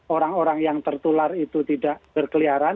orang orang yang tertular itu tidak berkeliaran